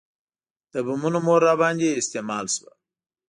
د بمونو مور راباندې استعمال شوه.